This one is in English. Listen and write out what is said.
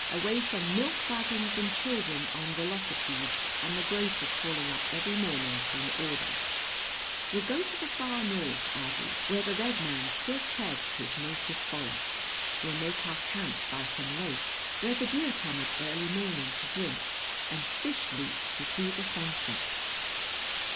"Away from milk wagons and children on velocipedes and the grocer calling up every morning for an order. We'll go to the Far North, Aggie, where the red man still treads his native forests; we'll make our camp by some lake, where the deer come at early morning to drink and fish leap to see the sunset."